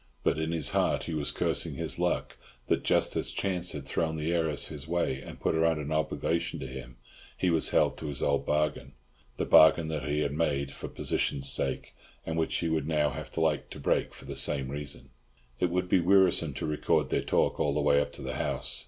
But in his heart he was cursing his luck that just as chance had thrown the heiress in his way, and put her under an obligation to him, he was held to his old bargain—the bargain that he had made for position's sake, and which he would now have liked to break for the same reason. It would be wearisome to record their talk, all the way up to the house.